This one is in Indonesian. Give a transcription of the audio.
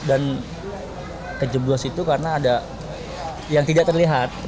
dan terjeblos itu karena ada yang tidak terlihat